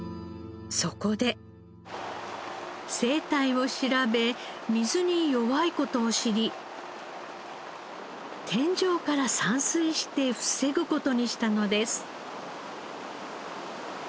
そこで生態を調べ水に弱い事を知り天井から散水して防ぐ事にしたのです。